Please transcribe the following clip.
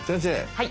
はい。